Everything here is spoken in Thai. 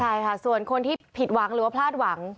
ใช่ค่ะส่วนคนที่ผิดหวังหรือว่าพลาดหวัง